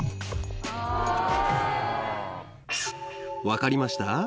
分かりました？